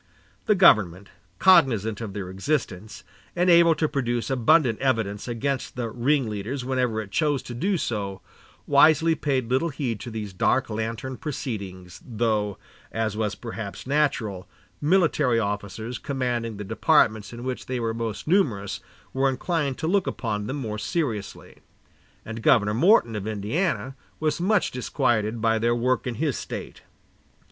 The government, cognizant of their existence, and able to produce abundant evidence against the ring leaders whenever it chose to do so, wisely paid little heed to these dark lantern proceedings, though, as was perhaps natural, military officers commanding the departments in which they were most numerous were inclined to look upon them more seriously; and Governor Morton of Indiana was much disquieted by their work in his State.